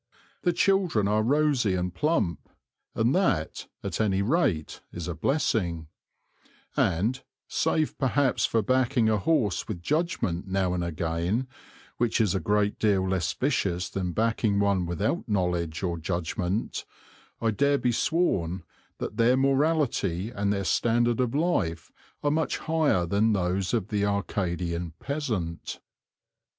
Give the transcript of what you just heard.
The children are rosy and plump, and that, at any rate, is a blessing; and, save perhaps for backing a horse with judgment now and again, which is a great deal less vicious than backing one without knowledge or judgment, I dare be sworn that their morality and their standard of life are much higher than those of the Arcadian peasant.